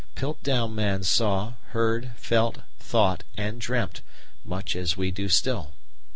Piltdown man saw, heard, felt, thought, and dreamt much as we do still.